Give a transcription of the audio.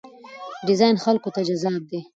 ډیزاین خلکو ته جذاب دی.